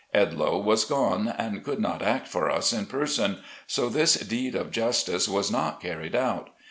Edloe was gone, and could not act for us in person, so this deed of justice was not carried out.